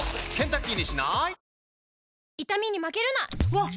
わっ！